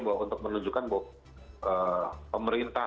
bahwa untuk menunjukkan bahwa pemerintah